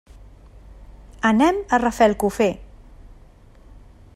Anem a Rafelcofer.